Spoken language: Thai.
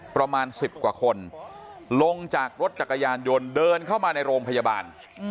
ประมาณ๑๐กว่าคนลงจากรถจักรยานยนต์เดินเข้ามาในโรงพยาบาล